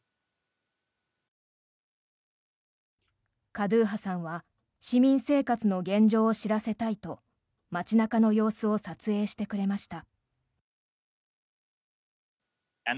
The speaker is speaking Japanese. カドゥーハさんは市民生活の現状を知らせたいと街中の様子を撮影してくれました。